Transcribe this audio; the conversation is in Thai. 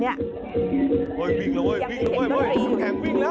เฮ้ยวิ่งแล้วเว้ยวิ่งแล้ว